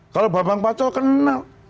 kalau bambang paco kenal